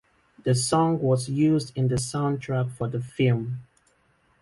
The song was used in the soundtrack for the film.